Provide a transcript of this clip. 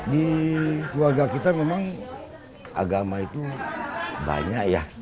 di keluarga kita memang agama itu banyak ya